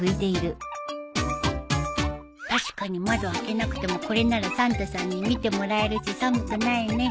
確かに窓開けなくてもこれならサンタさんに見てもらえるし寒くないね